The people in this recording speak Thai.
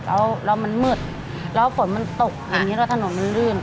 แล้วมันหมืดแล้วฝนมันตกเหมือนที่รถถนนมันลื่น